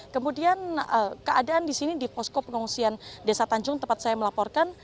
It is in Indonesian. kemudian keadaan di sini di posko pengungsian desa tanjung tempat saya melaporkan